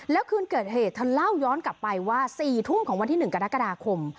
แล้วคืนเกิดเหตุเธอเล่าย้อนกลับไปว่า๔ทุ่มของวันที่๑กรกฎาคม